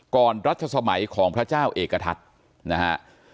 รัชสมัยของพระเจ้าเอกทัศน์นะฮะ